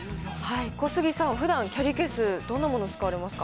小杉さん、ふだんキャリーケース、どんなもの使われますか。